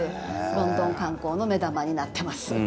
ロンドン観光の目玉になってます。